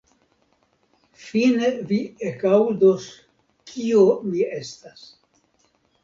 fine vi ekaŭdos, kio mi estas.